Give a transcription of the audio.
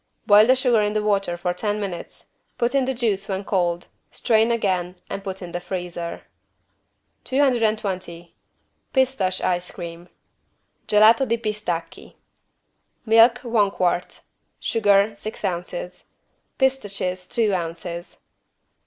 Boil the sugar in the water for ten minutes, put in the juice when cold, strain again and put in the freezer. 220 PISTACHE ICE CREAM (Gelato di pistacchi) Milk, one quart. Sugar, six ounces. Pistaches, two ounces.